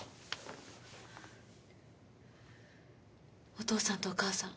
お父さんとお母さん